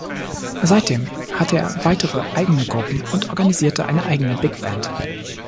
Seitdem hatte er weitere eigene Gruppen und organisierte eine eigene Big Band.